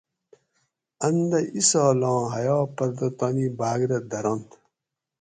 اۤن دہ اِسالاں حیا پردہ تانی بھاگ رہ درنت